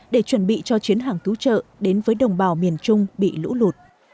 để chuẩn bị cho chuyến hàng cứu trợ đến với đồng bào miền trung bị lũ lụt